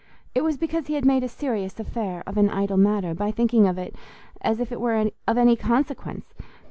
It was because he had made a serious affair of an idle matter, by thinking of it as if it were of any consequence.